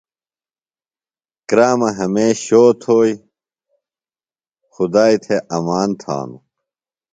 کرامہ ہمیش شو تھوئیۡ، خدائیۡ تھےۡ امان تھانوۡ